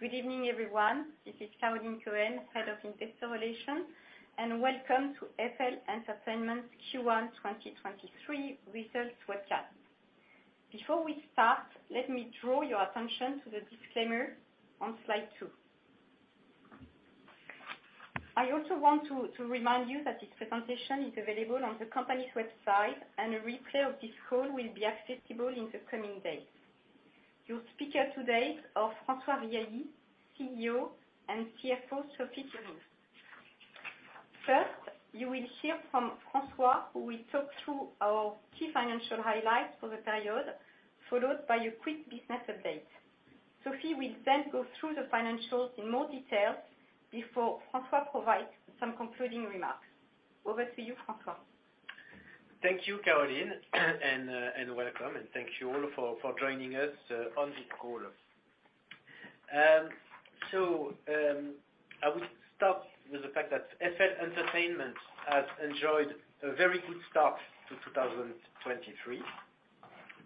Good evening, everyone. This is Caroline Cohen, Head of Investor Relations, and welcome to FL Entertainment Q1 2023 Results webcast. Before we start, let me draw your attention to the disclaimer on Slide 2. I also want to remind you that this presentation is available on the company's website, and a replay of this call will be accessible in the coming days. Your speaker today are François Riahi, CEO, and CFO, Sophie Kurinckx. First, you will hear from François, who will talk through our key financial highlights for the period, followed by a quick business update. Sophie will then go through the financials in more detail before François provides some concluding remarks. Over to you, François. Thank you, Caroline, and welcome, and thank you all for joining us on this call. I would start with the fact that FL Entertainment has enjoyed a very good start to 2023.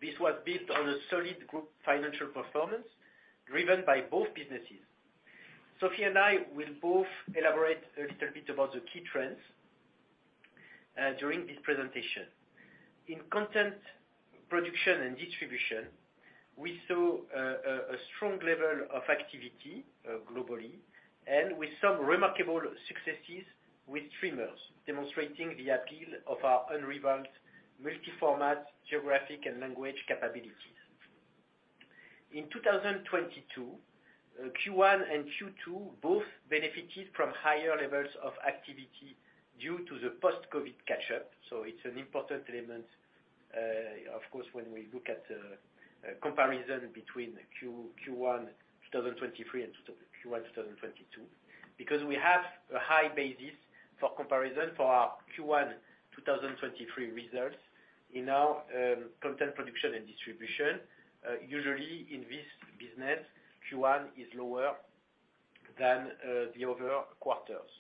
This was built on a solid group financial performance, driven by both businesses. Sophie and I will both elaborate a little bit about the key trends during this presentation. In content production and distribution, we saw a strong level of activity globally, and with some remarkable successes with streamers, demonstrating the appeal of our unrivaled multi-format, geographic, and language capabilities. In 2022, Q1 and Q2 both benefited from higher levels of activity due to the post-COVID catch-up. It's an important element, of course, when we look at a comparison between Q1 2023 and Q1 2022. We have a high basis for comparison for our Q1 2023 results in our content production and distribution. Usually, in this business, Q1 is lower than the other quarters.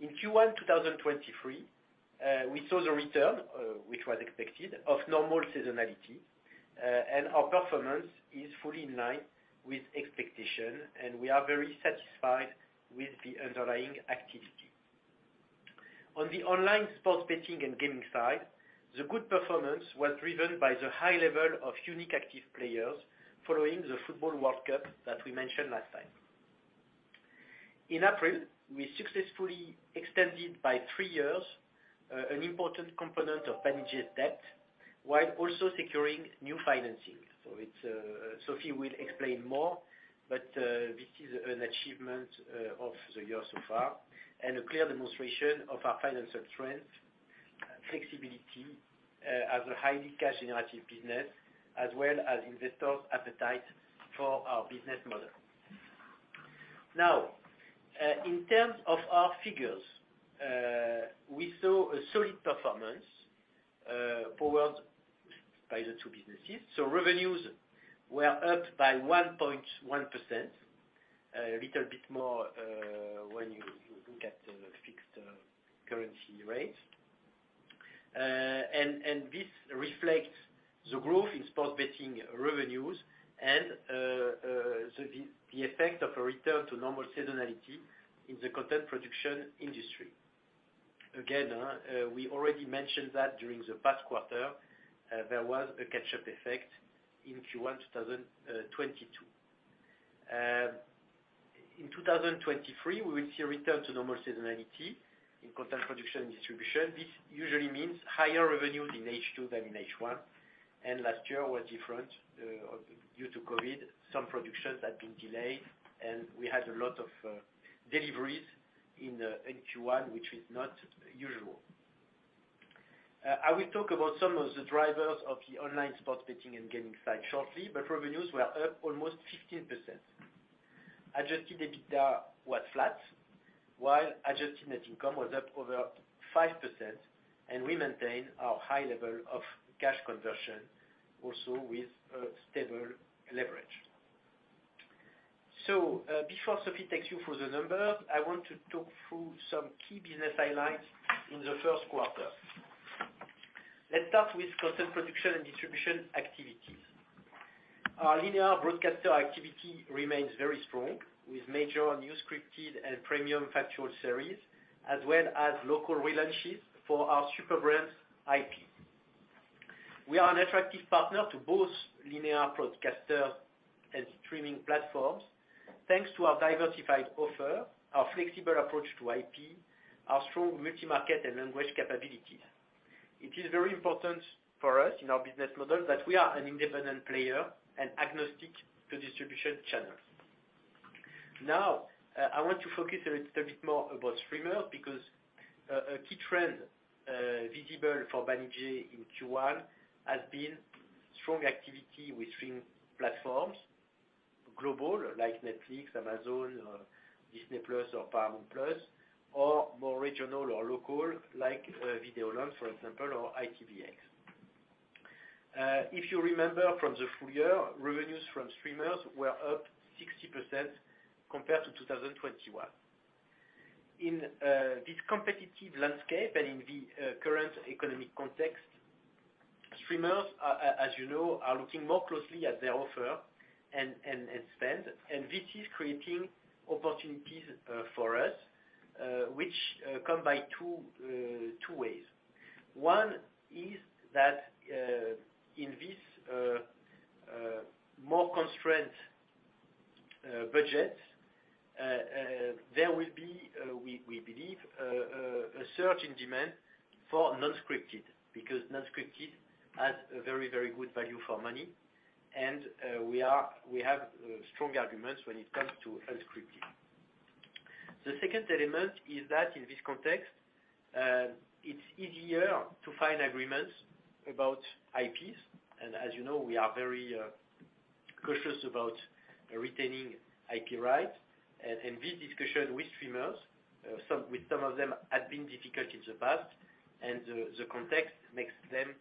In Q1 2023, we saw the return, which was expected, of normal seasonality, and our performance is fully in line with expectation, and we are very satisfied with the underlying activity. On the online sports betting and gaming side, the good performance was driven by the high level of Unique Active Players following the FIFA World Cup that we mentioned last time. In April, we successfully extended by three years, an important component of Banijay's debt, while also securing new financing. It's... Sophie will explain more. This is an achievement of the year so far, and a clear demonstration of our financial strength, flexibility, as a highly cash-generative business, as well as investor appetite for our business model. In terms of our figures, we saw a solid performance, powered by the two businesses. Revenues were up by 1.1%, a little bit more, when you look at the fixed currency rates. This reflects the growth in sports betting revenues and the effect of a return to normal seasonality in the content production industry. We already mentioned that during the past quarter, there was a catch-up effect in Q1 2022. In 2023, we will see a return to normal seasonality in content production and distribution. This usually means higher revenues in H2 than in H1, and last year was different due to COVID. Some productions had been delayed, and we had a lot of deliveries in Q1, which is not usual. I will talk about some of the drivers of the online sports betting and gaming side shortly, but revenues were up almost 15%. Adjusted EBITDA was flat, while Adjusted net income was up over 5%, and we maintain our high level of cash conversion, also with a stable leverage. Before Sophie takes you through the numbers, I want to talk through some key business highlights in the first quarter. Let's start with content production and distribution activities. Our linear broadcaster activity remains very strong, with major new scripted and premium factual series, as well as local relaunches for our superbrands IP. We are an attractive partner to both linear broadcasters and streaming platforms, thanks to our diversified offer, our flexible approach to IP, our strong multi-market and language capabilities. It is very important for us, in our business model, that we are an independent player and agnostic to distribution channels. I want to focus a little bit more about streamers, because a key trend visible for Banijay in Q1 has been strong activity with streaming platforms, global, like Netflix, Amazon, Disney+ or Paramount+, or more regional or local, like Videoland, for example, or ITVX. If you remember from the full year, revenues from streamers were up 60% compared to 2021. In this competitive landscape and in the current economic context, streamers, as you know, are looking more closely at their offer and spend. This is creating opportunities for us, which come by two ways. One is that in this more constrained budget, there will be, we believe, a surge in demand for non-scripted, because non-scripted has a very, very good value for money, and we have strong arguments when it comes to unscripted. The second element is that in this context, it's easier to find agreements about IPs. As you know, we are very cautious about retaining IP rights. This discussion with streamers, with some of them, had been difficult in the past, and the context makes them,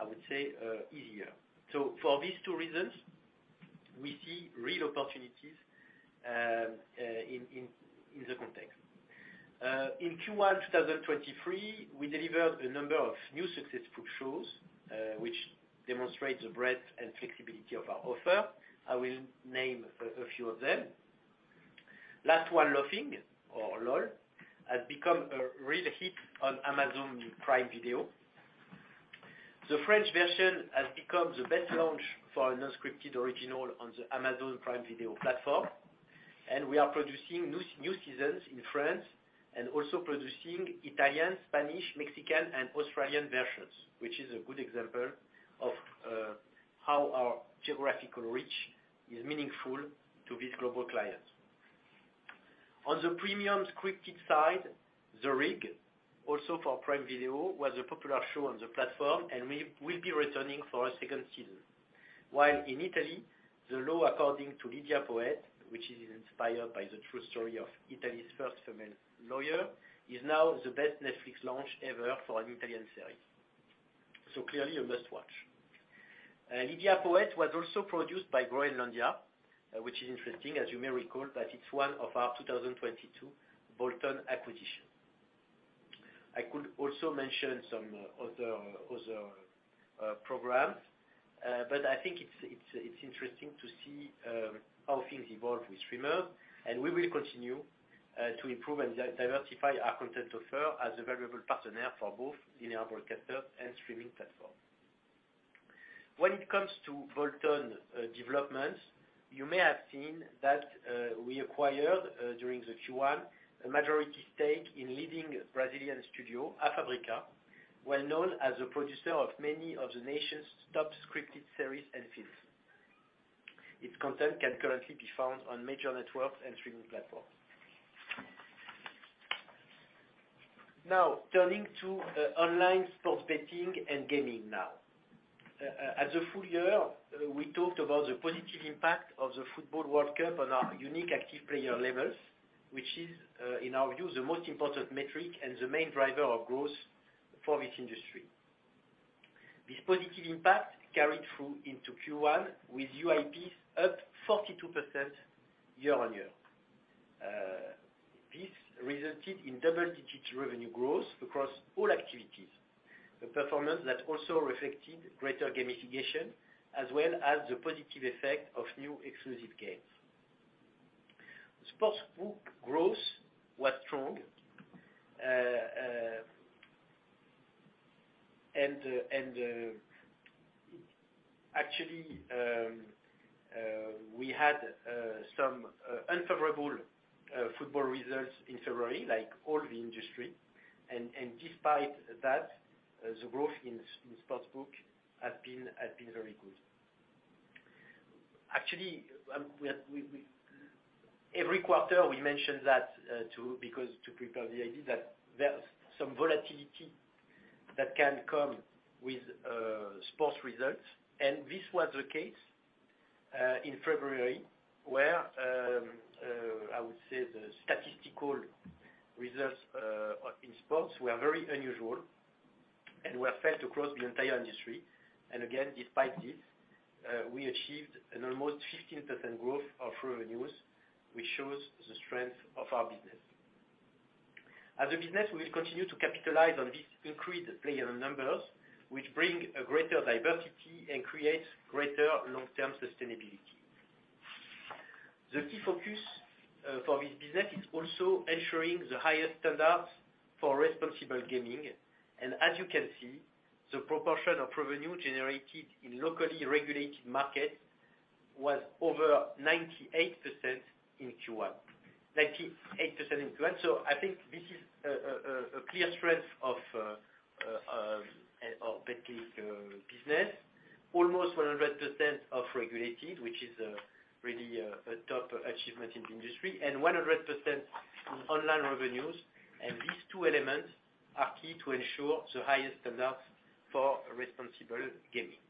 I would say, easier. For these two reasons, we see real opportunities in the context. In Q1 2023, we delivered a number of new successful shows, which demonstrate the breadth and flexibility of our offer. I will name a few of them. Last One Laughing, or LOL, has become a real hit on Amazon Prime Video. The French version has become the best launch for a non-scripted original on the Amazon Prime Video platform, and we are producing new seasons in France, and also producing Italian, Spanish, Mexican, and Australian versions, which is a good example of how our geographical reach is meaningful to these global clients. On the premium scripted side, The Rig, also for Prime Video, was a popular show on the platform, and we will be returning for a 2nd season. While in Italy, The Law According to Lidia Poët, which is inspired by the true story of Italy's first female lawyer, is now the best Netflix launch ever for an Italian series. Clearly a must watch. Lidia Poët was also produced by Groenlandia, which is interesting, as you may recall, that it's one of our 2022 bolt-on acquisition. I could also mention some other programs, but I think it's, it's interesting to see how things evolve with streamers. We will continue to improve and diversify our content offer as a valuable partner for both linear broadcasters and streaming platforms. When it comes to bolt-on developments, you may have seen that we acquired during the Q1, a majority stake in leading Brazilian studio, A Fábrica, well known as a producer of many of the nation's top scripted series and films. Its content can currently be found on major networks and streaming platforms. Turning to online sports betting and gaming now. At the full year, we talked about the positive impact of the FIFA World Cup on our Unique Active Players levels, which is, in our view, the most important metric and the main driver of growth for this industry. This positive impact carried through into Q1, with UAPs up 42% YoY. This resulted in double-digit revenue growth across all activities, a performance that also reflected greater gamification, as well as the positive effect of new exclusive games. Sportsbook growth was strong. Actually, we had some unfavorable football results in February, like all the industry. Despite that, the growth in sportsbook has been very good. Actually, every quarter, we mention that to prepare the idea that there's some volatility that can come with sports results, and this was the case in February, where, I would say, the statistical results in sports were very unusual and were felt across the entire industry. Again, despite this, we achieved an almost 15% growth of revenues, which shows the strength of our business. As a business, we will continue to capitalize on these increased player numbers, which bring a greater diversity and create greater long-term sustainability. The key focus for this business is also ensuring the highest standards for responsible gaming. As you can see, the proportion of revenue generated in locally regulated markets was over 98% in Q1. 98% in Q1. I think this is a clear strength of betting business. Almost 100% of regulated, which is really a top achievement in the industry, and 100% online revenues. These two elements are key to ensure the highest standards for responsible gaming.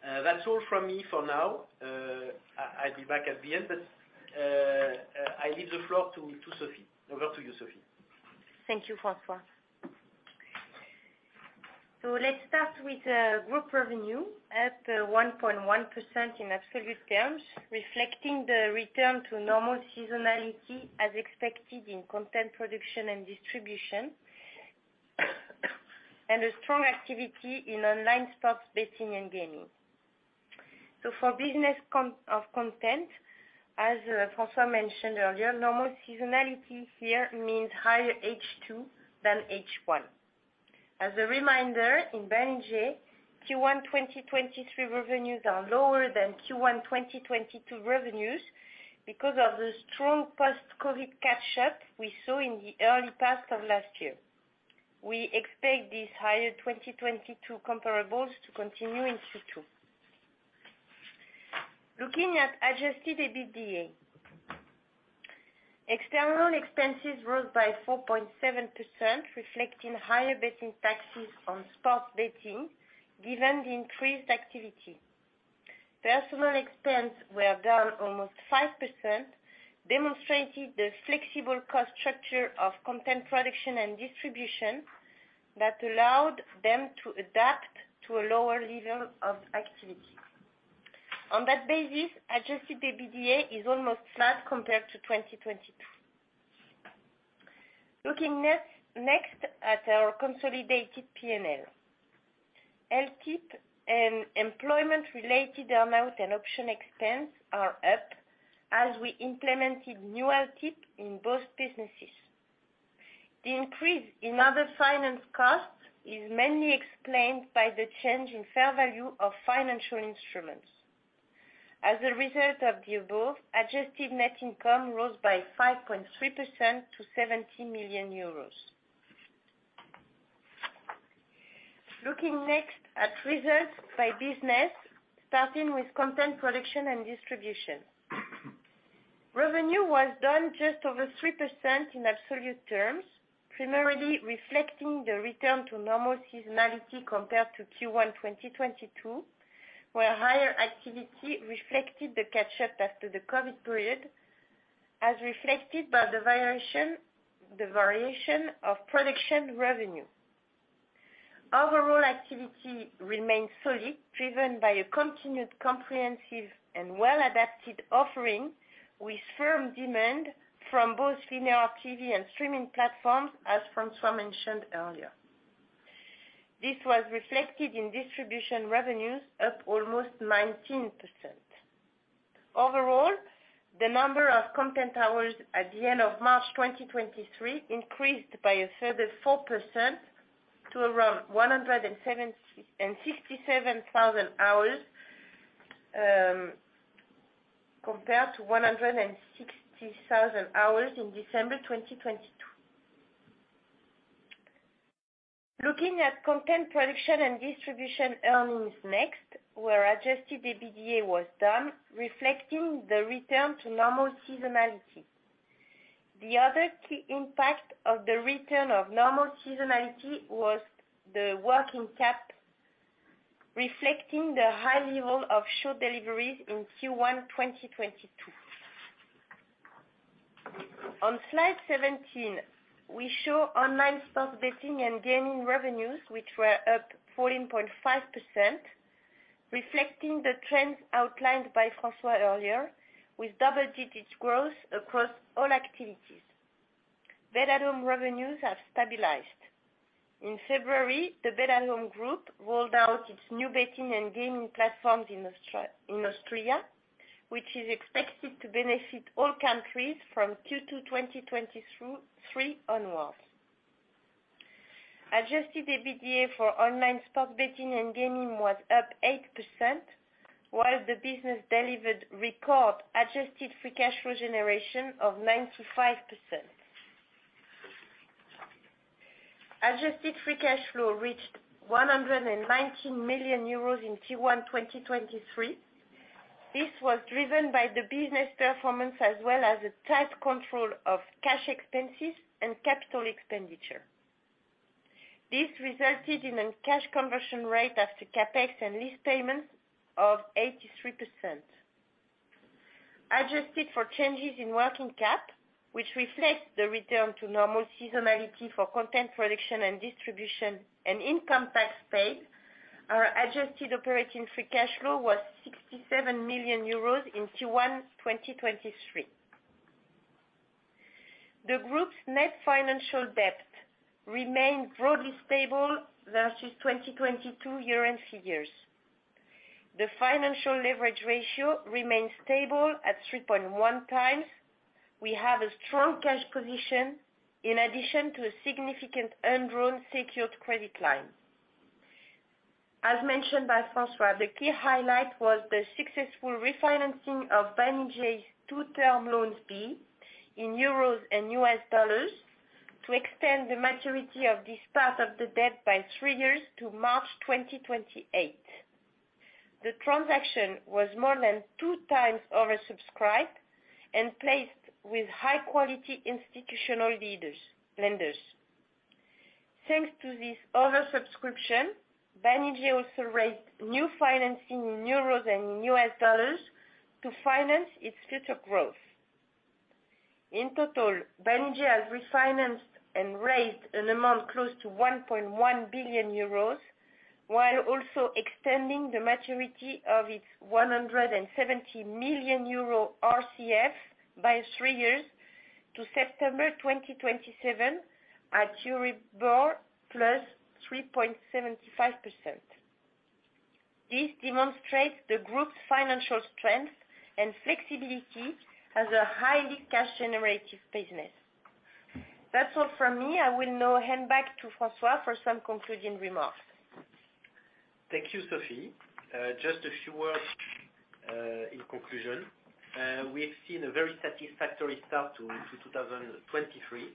That's all from me for now. I'll be back at the end, but I leave the floor to Sophie. Over to you, Sophie. Thank you, François. Let's start with group revenue at 1.1% in absolute terms, reflecting the return to normal seasonality as expected in content production and distribution.... and a strong activity in online sports betting and gaming. For business of content, as François mentioned earlier, normal seasonality here means higher H2 than H1. As a reminder, in Banijay, Q1 2023 revenues are lower than Q1 2022 revenues because of the strong post-COVID catch-up we saw in the early part of last year. We expect these higher 2022 comparables to continue in Q2. Looking at Adjusted EBITDA. External expenses rose by 4.7%, reflecting higher betting taxes on sports betting, given the increased activity. Personnel expense were down almost 5%, demonstrating the flexible cost structure of content production and distribution that allowed them to adapt to a lower level of activity. Adjusted EBITDA is almost flat compared to 2022. Looking next at our consolidated P&L. LTIP and employment-related amount and option expense are up, as we implemented new LTIP in both businesses. The increase in other finance costs is mainly explained by the change in fair value of financial instruments. As a result of the above, Adjusted net income rose by 5.3% to 70 million euros. Looking next at results by business, starting with content production and distribution. Revenue was down just over 3% in absolute terms, primarily reflecting the return to normal seasonality compared to Q1 2022, where higher activity reflected the catch-up after the COVID period, as reflected by the variation of production revenue. Overall activity remains solid, driven by a continued comprehensive and well-adapted offering, with firm demand from both linear TV and streaming platforms, as François mentioned earlier. This was reflected in distribution revenues, up almost 19%. Overall, the number of content hours at the end of March 2023 increased by a further 4% to around 167,000 hours, compared to 160,000 hours in December 2022. Looking at content production and distribution earnings next, where Adjusted EBITDA was down, reflecting the return to normal seasonality. The other key impact of the return of normal seasonality was the working cap, reflecting the high level of show deliveries in Q1 2022. On Slide 17, we show online sports betting and gaming revenues, which were up 14.5%, reflecting the trends outlined by François earlier, with double-digit growth across all activities. bet-at-home revenues have stabilized. In February, the bet-at-home group rolled out its new betting and gaming platforms in Austria, which is expected to benefit all countries from Q2 2023 onwards. Adjusted EBITDA for online sports betting and gaming was up 8%, while the business delivered record adjusted free cash flow generation of 95%. Adjusted free cash flow reached 119 million euros in Q1 2023. This was driven by the business performance, as well as a tight control of cash expenses and capital expenditure. This resulted in a cash conversion rate after CapEx and lease payments of 83%. Adjusted for changes in working cap, which reflects the return to normal seasonality for content production and distribution and income tax paid, our adjusted operating free cash flow was 67 million euros in Q1 2023. The group's net financial debt remained broadly stable versus 2022 year-end figures. The financial leverage ratio remained stable at 3.1 times. We have a strong cash position in addition to a significant undrawn secured credit line. As mentioned by François, the key highlight was the successful refinancing of Banijay's two Term Loans B in EUR and USD to extend the maturity of this part of the debt by 3 years to March 2028. The transaction was more than 2 times oversubscribed and placed with high-quality institutional lenders. Banijay also raised new financing in EUR and in USD to finance its future growth. In total, Banijay has refinanced and raised an amount close to 1.1 billion euros, while also extending the maturity of its 170 million euro RCF by 3 years. to September 2027 at Euribor plus 3.75%. This demonstrates the group's financial strength and flexibility as a highly cash generative business. That's all from me. I will now hand back to François for some concluding remarks. Thank you, Sophie. Just a few words in conclusion. We've seen a very satisfactory start to 2023.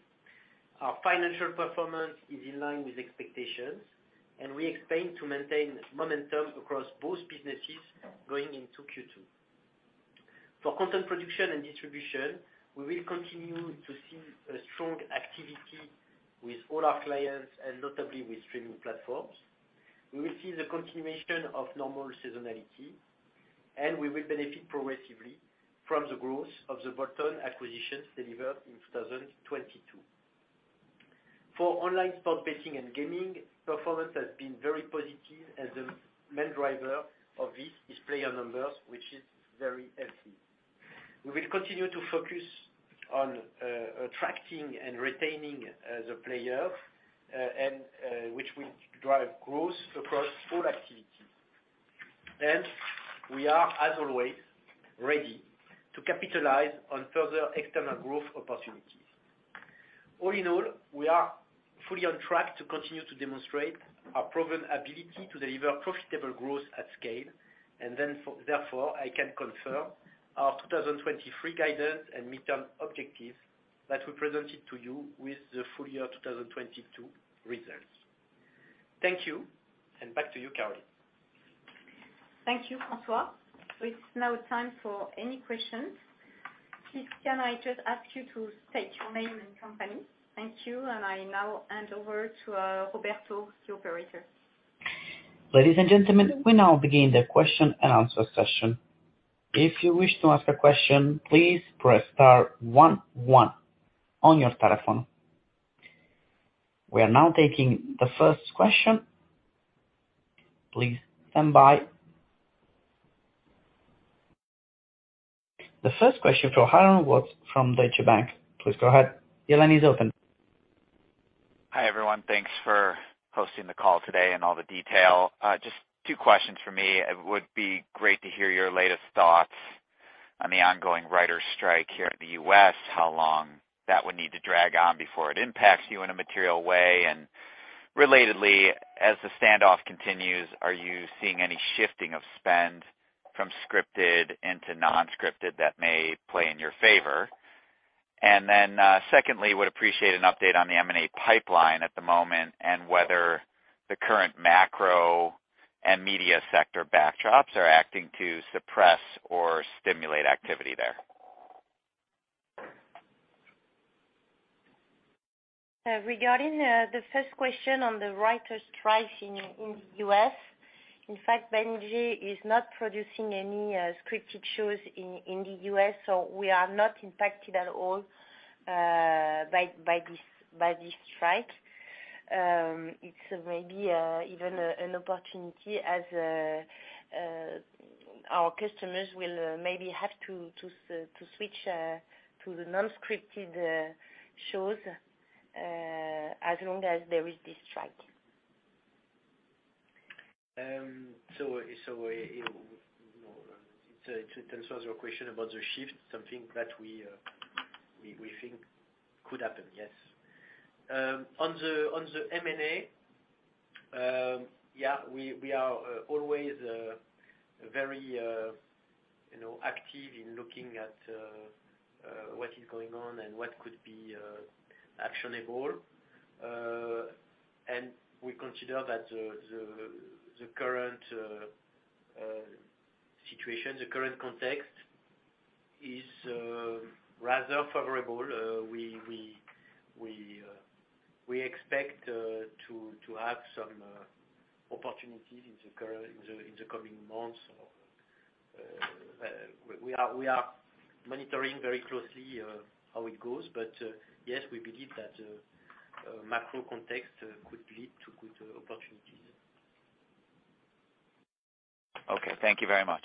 Our financial performance is in line with expectations, and we expect to maintain momentum across both businesses going into Q2. For content production and distribution, we will continue to see a strong activity with all our clients, and notably with streaming platforms. We will see the continuation of normal seasonality, and we will benefit progressively from the growth of the bolt-on acquisitions delivered in 2022. For online sport betting and gaming, performance has been very positive, and the main driver of this is player numbers, which is very healthy. We will continue to focus on attracting and retaining the players, and which will drive growth across all activities. We are, as always, ready to capitalize on further external growth opportunities. All in all, we are fully on track to continue to demonstrate our proven ability to deliver profitable growth at scale, therefore, I can confirm our 2023 guidance and midterm objectives that we presented to you with the full year 2022 results. Thank you. Back to you, Caroline. Thank you, François. It's now time for any questions. Please, can I just ask you to state your name and company? Thank you, and I now hand over to Roberto, the operator. Ladies and gentlemen, we now begin the question and answer session. If you wish to ask a question, please press star one on your telephone. We are now taking the first question. Please stand by. The first question from Aaron Watts from Deutsche Bank. Please go ahead. Your line is open. Hi, everyone. Thanks for hosting the call today and all the detail. Just two questions from me. It would be great to hear your latest thoughts on the ongoing writers' strike here in the U.S., how long that would need to drag on before it impacts you in a material way? Relatedly, as the standoff continues, are you seeing any shifting of spend from scripted into non-scripted that may play in your favor? Secondly, would appreciate an update on the M&A pipeline at the moment, and whether the current macro and media sector backdrops are acting to suppress or stimulate activity there. Regarding the first question on the writers' strike in the U.S., in fact, Banijay is not producing any scripted shows in the U.S., so we are not impacted at all by this strike. It's maybe even an opportunity, as our customers will maybe have to switch to the non-scripted shows, as long as there is this strike. So, you know, to answer your question about the shift, something that we think could happen, yes. On the M&A, yeah, we are always very, you know, active in looking at what is going on and what could be actionable. And we consider that the current situation, the current context is rather favorable. We expect to have some opportunities in the coming months. We are monitoring very closely how it goes. Yes, we believe that macro context could lead to good opportunities. Okay, thank you very much.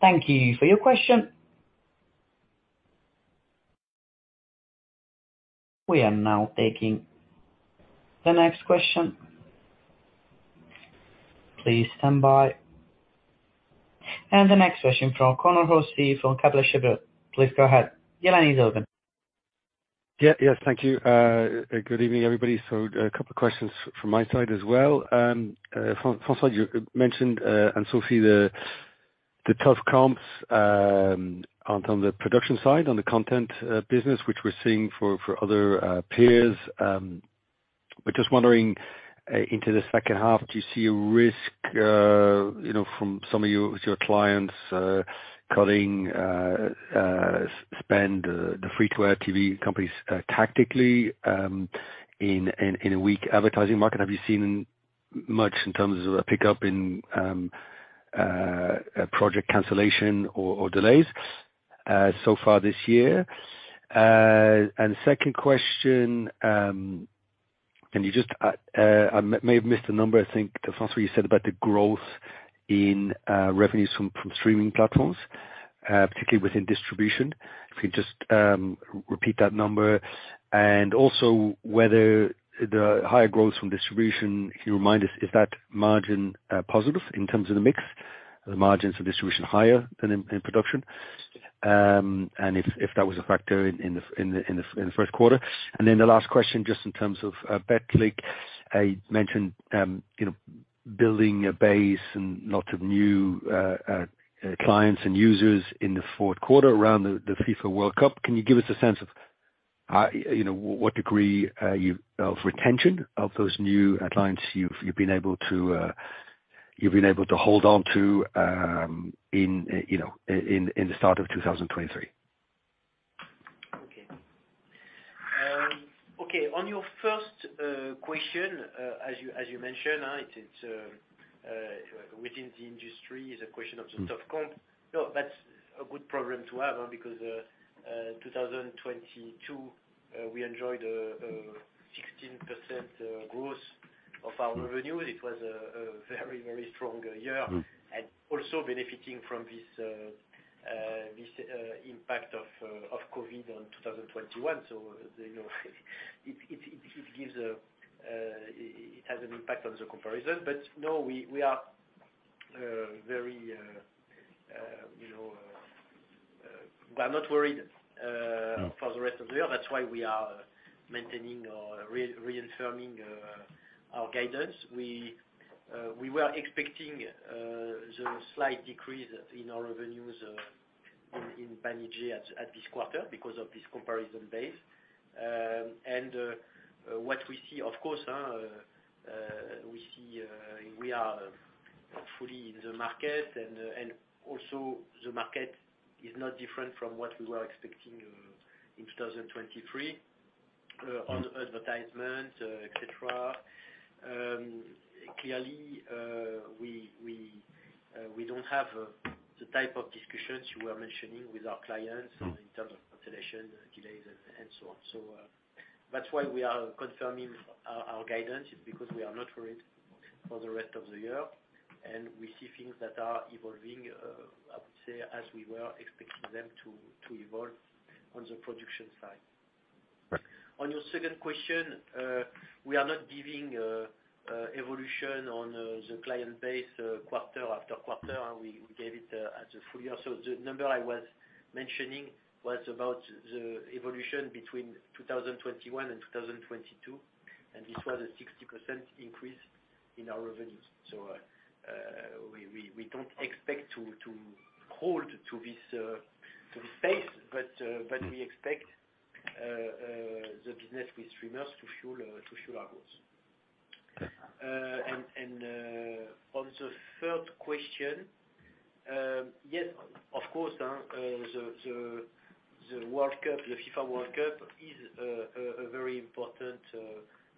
Thank you for your question. We are now taking the next question. Please stand by. The next question from Conor O'Shea, from Kepler Cheuvreux. Please go ahead. Your line is open. Yeah. Yes, thank you. Good evening, everybody. A couple of questions from my side as well. François Riahi, you mentioned and Sophie Kurinckx, the tough comps on terms of the production side, on the content business, which we're seeing for other peers. Just wondering, into the second half, do you see a risk, you know, from some of your clients cutting spend, the free-to-air TV companies tactically, in a weak advertising market? Have you seen much in terms of a pickup in project cancellation or delays so far this year? Second question. Can you just, I may have missed the number, I think, François Riahi, you said about the growth in revenues from streaming platforms, particularly within distribution. If you could just repeat that number, and also whether the higher growth from distribution, can you remind us, is that margin positive in terms of the mix? Are the margins for distribution higher than in production? If that was a factor in the first quarter. The last question, just in terms of Betclic, I mentioned, you know, building a base and lots of new clients and users in the fourth quarter around the FIFA World Cup. Can you give us a sense of how, you know, what degree of retention of those new clients you've been able to hold on to, in, you know, in the start of 2023? Okay. On your first question, as you mentioned, it's within the industry, is a question of the tough comp. No, that's a good problem to have, because 2022, we enjoyed 16% growth of our revenues. It was a very strong year. Also benefiting from this impact of COVID on 2021, you know, it has an impact on the comparison. No, we are very, you know, we are not worried.... for the rest of the year. That's why we are maintaining or reaffirming our guidance. We were expecting the slight decrease in our revenues in Banijay at this quarter, because of this comparison base. What we see, of course, we see, we are fully in the market and also the market is not different from what we were expecting in 2023 on advertisement, et cetera. Clearly, we don't have the type of discussions you were mentioning with our clients. in terms of cancellation, delays, and so on. That's why we are confirming our guidance, because we are not worried for the rest of the year, and we see things that are evolving, I would say, as we were expecting them to evolve on the production side. On your second question, we are not giving evolution on the client base quarter after quarter. We gave it as a full year. The number I was mentioning was about the evolution between 2021 and 2022, and this was a 60% increase in our revenues. We don't expect to hold to this pace, but we expect the business with streamers to fuel our growth. On the third question, yes, of course, the World Cup, the FIFA World Cup is a very important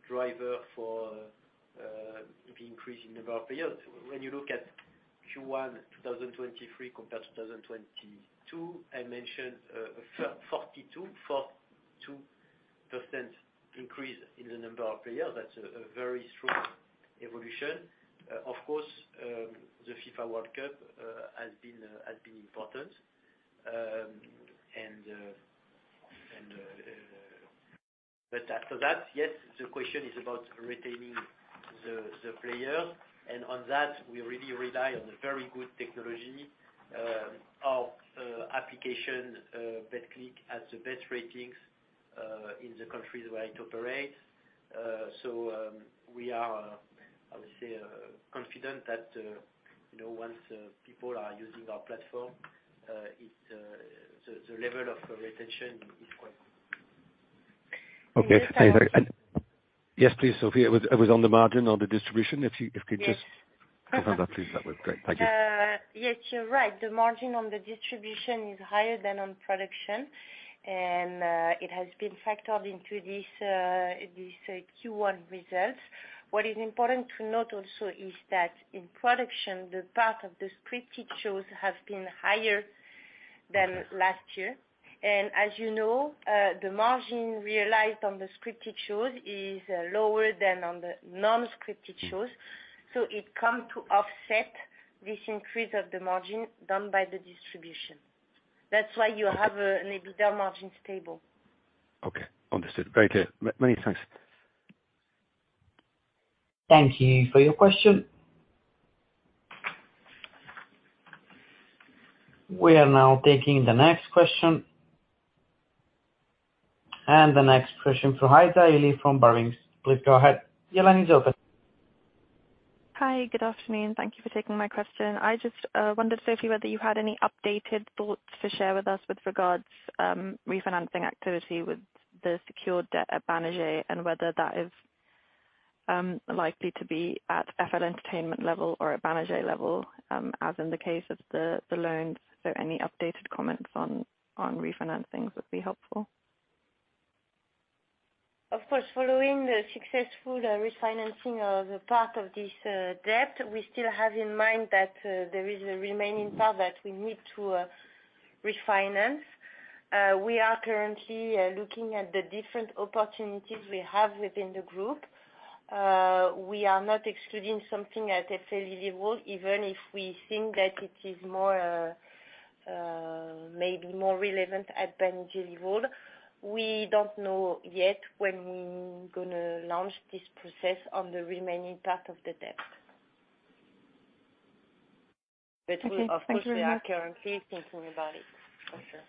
driver for the increase in the number of players. When you look at Q1 2023 compared to 2022, I mentioned 42% increase in the number of players. That's a very strong evolution. Of course, the FIFA World Cup has been important. After that, yes, the question is about retaining the players. On that, we really rely on a very good technology, our application, Betclic, has the best ratings in the countries where it operates. We are, I would say, confident that, you know, once, people are using our platform, it, the level of retention is. Okay. And just- Yes, please, Sophie. It was on the margin on the distribution. If you. Yes. Please, that was great. Thank you. Yes, you're right. The margin on the distribution is higher than on production. It has been factored into this Q1 results. What is important to note also is that in production, the part of the scripted shows has been higher than last year. As you know, the margin realized on the scripted shows is lower than on the non-scripted shows, so it come to offset this increase of the margin done by the distribution. That's why you have a little down margins table. Okay, understood. Very clear. Many thanks. Thank you for your question. We are now taking the next question. The next question from Aaiza Ali from Barings. Please go ahead. Your line is open. Hi, good afternoon. Thank Thank you for taking my question. I just wondered, Sophie, whether you had any updated thoughts to share with us with regards refinancing activity with the secured debt at Banijay, and whether that is likely to be at FL Entertainment level or at Banijay level, as in the case of the loans? Any updated comments on refinancings would be helpful. Of course, following the successful refinancing of a part of this debt, we still have in mind that there is a remaining part that we need to refinance. We are currently looking at the different opportunities we have within the group. We are not excluding something at FL level, even if we think that it is more, maybe more relevant at Banijay level. We don't know yet when we're gonna launch this process on the remaining part of the debt. We, of course, are currently thinking about it. For sure.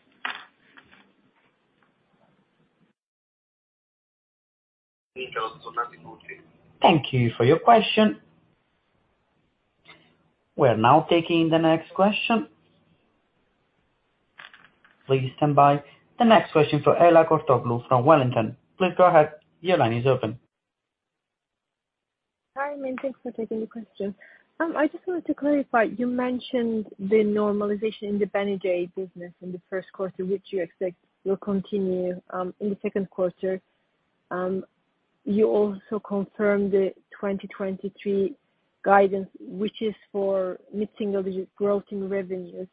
Thank you for your question. We are now taking the next question. Please stand by. The next question from [Ela Kurtoglu] from Wellington. Please go ahead, your line is open. Hi, thanks for taking the question. I just wanted to clarify, you mentioned the normalization in the Banijay business in the first quarter, which you expect will continue in the second quarter. You also confirmed the 2023 guidance, which is for mid-single growth in revenues.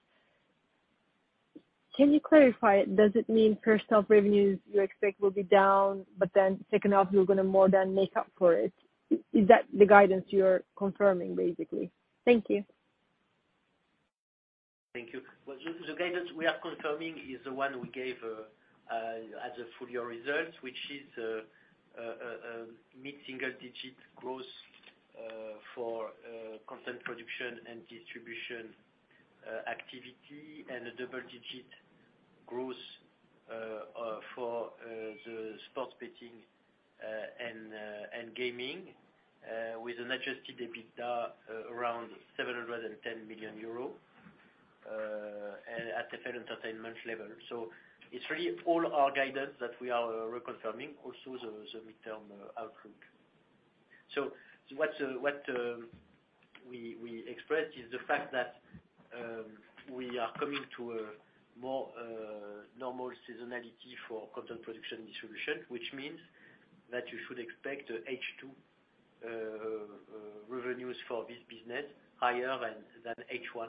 Can you clarify, does it mean personal revenues you expect will be down, but then second half, you're gonna more than make up for it? Is that the guidance you're confirming, basically? Thank you. Thank you. Well, the guidance we are confirming is the one we gave as a full year results, which is mid-single digit growth for content production and distribution activity, and a double digit growth for the sports betting and gaming with an Adjusted EBITDA around EUR 710 million and at the FL Entertainment level. It's really all our guidance that we are reconfirming, also the midterm outlook. What we expressed is the fact that we are coming to a more normal seasonality for content production distribution, which means that you should expect H2 revenues for this business higher than H1.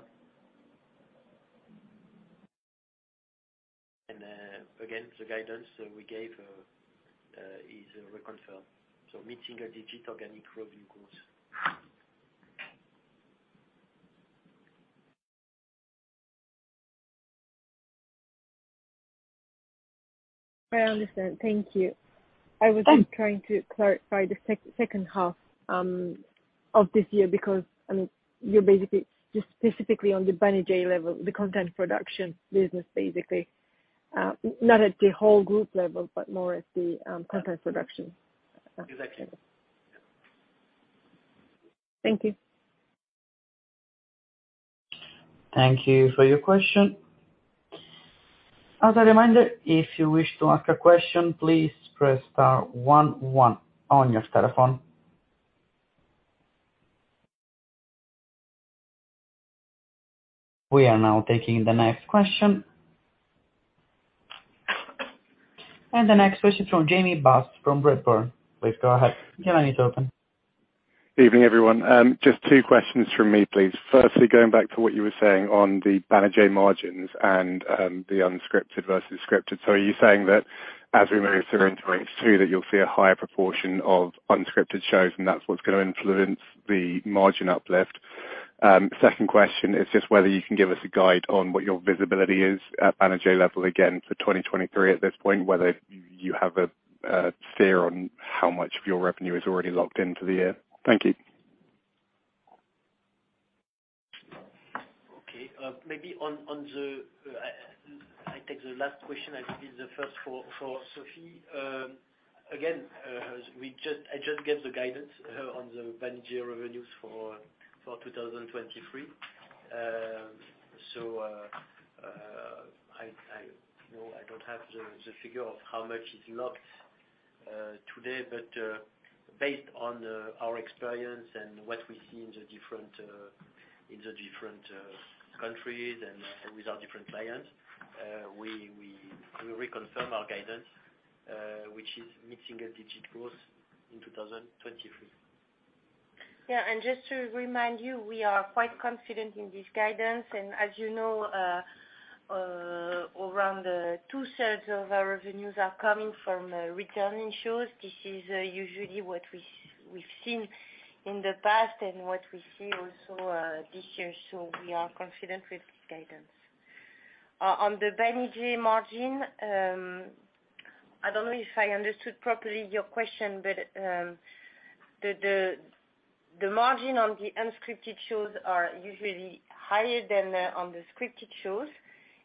Again, the guidance that we gave is reconfirmed, so mid-single digit organic revenue growth. I understand. Thank you. I was just trying to clarify the second half of this year, because, I mean, you're basically just specifically on the Banijay level, the content production business, basically. Not at the whole group level, but more at the content production level. Exactly. Thank you. Thank you for your question. As a reminder, if you wish to ask a question, please press star one one on your telephone. We are now taking the next question. The next question from Jamie Bass from Redburn. Please go ahead, your line is open. Evening, everyone. Just two questions from me, please. Firstly, going back to what you were saying on the Banijay margins and the unscripted versus scripted. Are you saying that as we move through into H2, that you'll see a higher proportion of unscripted shows, and that's what's gonna influence the margin uplift? Second question is just whether you can give us a guide on what your visibility is at Banijay level, again for 2023 at this point, whether you have a fear on how much of your revenue is already locked in for the year. Thank you. Okay, maybe I take the last question, I think is the first for Sophie. Again, I just gave the guidance on the Banijay revenues for 2023. You know, I don't have the figure of how much is locked today, but based on our experience and what we see in the different countries and with our different clients, we reconfirm our guidance, which is mid-single digit growth in 2023. Just to remind you, we are quite confident in this guidance. As you know, around two-thirds of our revenues are coming from returning shows. This is usually what we've seen in the past and what we see also this year, we are confident with this guidance. On the Banijay margin, I don't know if I understood properly your question, the margin on the unscripted shows are usually higher than on the scripted shows.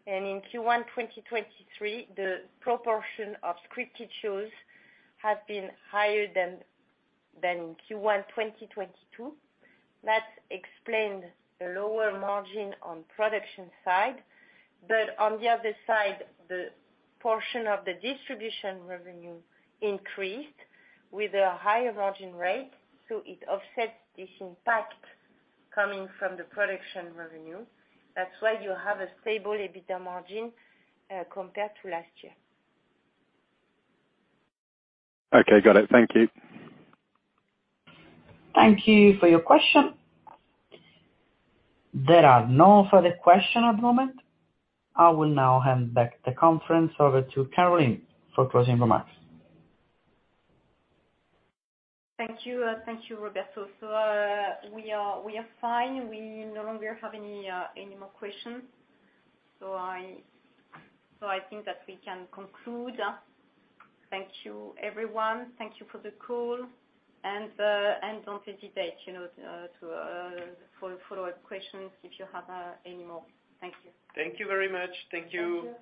In Q1 2023, the proportion of scripted shows has been higher than Q1 2022. That's explained the lower margin on production side. On the other side, the portion of the distribution revenue increased with a higher margin rate, it offsets this impact coming from the production revenue. That's why you have a stable EBITDA margin, compared to last year. Okay, got it. Thank you. Thank you for your question. There are no further question at the moment. I will now hand back the conference over to Caroline for closing remarks. Thank you, Roberto. We are fine. We no longer have any more questions. I think that we can conclude. Thank you, everyone. Thank you for the call, and don't hesitate, you know, to for follow-up questions if you have any more. Thank you. Thank you very much. Thank you.